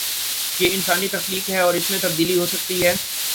یہ انسانی تخلیق ہے اور اس میں تبدیلی ہو سکتی ہے۔